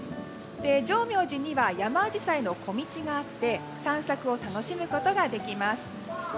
浄妙寺にはヤマアジサイの小道があって散策を楽しむことができます。